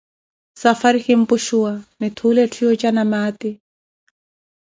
Safwari kinpushuwa, nitthuule etthu yooja na maati.